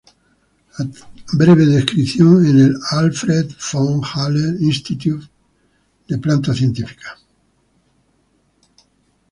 Breve descripción en el "Albrecht von Haller Institute of Plant Sciences"